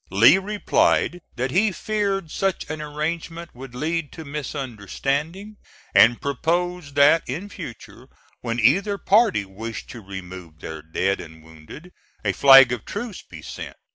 Lee replied that he feared such an arrangement would lead to misunderstanding, and proposed that in future, when either party wished to remove their dead and wounded, a flag of truce be sent.